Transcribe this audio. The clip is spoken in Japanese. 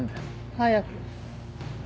早く。